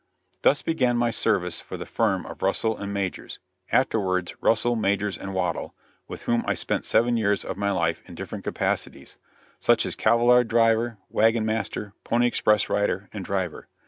Thus began my service for the firm of Russell & Majors, afterwards Russell, Majors & Waddell, with whom I spent seven years of my life in different capacities such as cavallard driver, wagon master, pony express rider and driver.